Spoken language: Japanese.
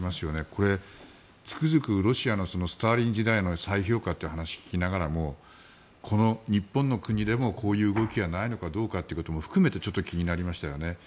これ、つくづくロシアのスターリン時代の再評価っていう話を聞きながらもこの日本の国でもこういう動きがないのかということを含めてちょっと気になりましたよね。